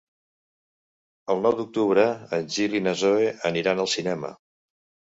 El nou d'octubre en Gil i na Zoè aniran al cinema.